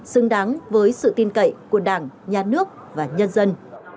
xứng đáng với sự tin cậy của đảng nhà nước và nhân dân